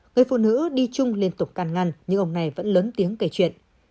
người phụ nữ đi chung liên tục can ngăn nhưng ông này vẫn lớn tiếng kể chuyện